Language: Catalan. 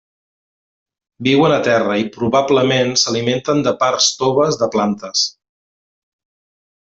Viuen a terra i probablement s'alimenten de parts toves de plantes.